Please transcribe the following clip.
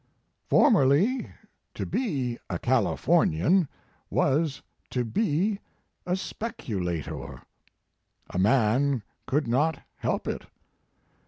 i * Formerly, to be a Californian was to be a speculator. A man could not help it.